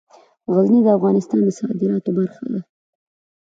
غزني د افغانستان د صادراتو برخه ده.